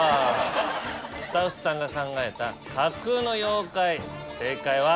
スタッフさんが考えた架空の妖怪正解は。